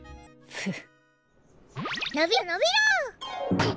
フッ。